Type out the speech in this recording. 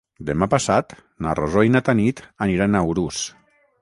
Demà passat na Rosó i na Tanit aniran a Urús.